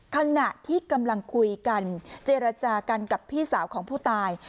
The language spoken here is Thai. ขณะที่กำลังคุยกันเจรจากันกับพี่สาวของผู้ตาย